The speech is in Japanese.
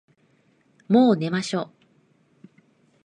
もう寝ましょ。